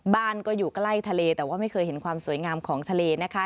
บ้านก็อยู่ใกล้ทะเลแต่ว่าไม่เคยเห็นความสวยงามของทะเลนะคะ